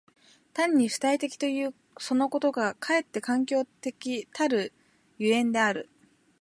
単に主体的ということそのことがかえって環境的たる所以である。